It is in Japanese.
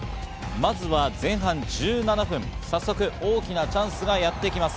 まずは前半１７分、早速、大きなチャンスがやってきます。